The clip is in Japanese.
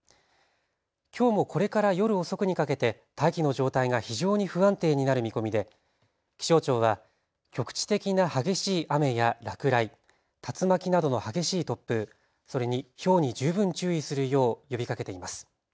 きょうもこれから夜遅くにかけて大気の状態が非常に不安定になる見込みで気象庁は局地的な激しい雨や落雷、竜巻などの激しい突風、それにひょうに十分注意するよう呼びかけています。